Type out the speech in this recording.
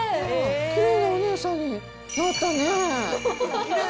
きれいなお姉さんになったね。